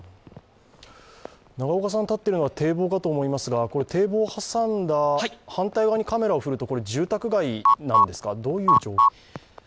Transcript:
永岡さんが立っているのは堤防かと思いますが、堤防を挟んだ反対側にカメラを振ると住宅街なんですか？